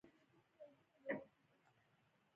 په خپل ځای کې یې مطرح کولای شو.